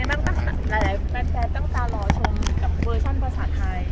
หลายแฟนตั้งตารอชมกับเวอร์ชั่นภาษาไทย